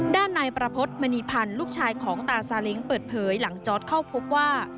ด้านนายประพฤติมณีพันธ์ลูกชายของตาซาเล้งเปิดเผยหลังจอร์ดเข้าพบว่า